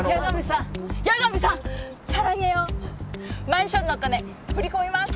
マンションのお金振り込みます。